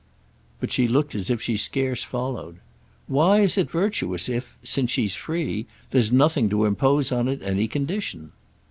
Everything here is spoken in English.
But she looked as if she scarce followed. "Why is it virtuous if—since she's free—there's nothing to impose on it any condition?"